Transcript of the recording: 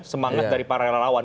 semangat dari para relawan